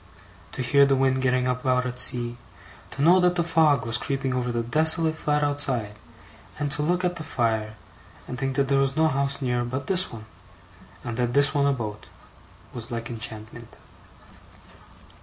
To hear the wind getting up out at sea, to know that the fog was creeping over the desolate flat outside, and to look at the fire, and think that there was no house near but this one, and this one a boat, was like enchantment.